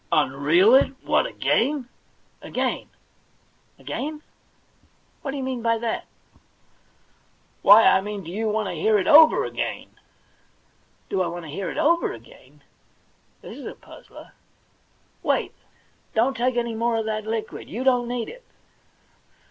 ' Unreel it ? What, again ?*•* Again ? What do you mean by that ?* 'Why, I mean do you want to hear it over again ?'' Do I want to hear it over again ? This is a puzzler. Wait; dont take any more of that liquid. You don't need it.'